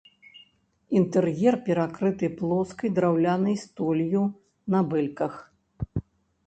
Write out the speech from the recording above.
Інтэр'ер перакрыты плоскай драўлянай столлю на бэльках.